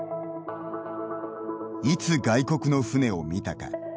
「いつ外国の船を見たか」